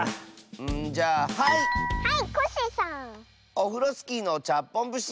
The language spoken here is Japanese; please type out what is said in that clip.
「オフロスキーのちゃっぽんぶし」。